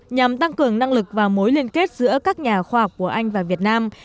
nhằm tăng cường năng lực và mối liên kết giữa các nhà khoa học của anh và việt nam